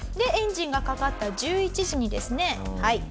エンジンがかかった１１時にですね